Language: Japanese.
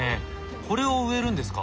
これを植えるんですか？